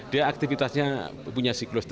dia aktivitasnya punya siklus